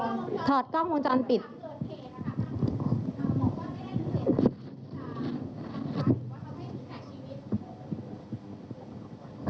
เรามีการปิดบันทึกจับกลุ่มเขาหรือหลังเกิดเหตุแล้วเนี่ย